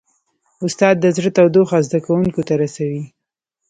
استاد د زړه تودوخه زده کوونکو ته رسوي.